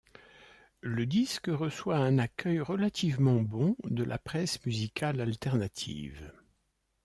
Le disque reçoit un accueil relativement bon de la presse musicale alternative.